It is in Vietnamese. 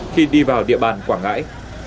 khi đi vào địa bàn quảng ngãi